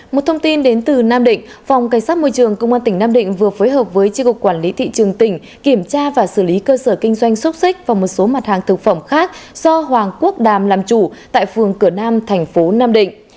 một thông tin đến từ nam định phòng cảnh sát môi trường công an tỉnh nam định vừa phối hợp với tri cục quản lý thị trường tỉnh kiểm tra và xử lý cơ sở kinh doanh xúc xích và một số mặt hàng thực phẩm khác do hoàng quốc đàm làm chủ tại phường cửa nam thành phố nam định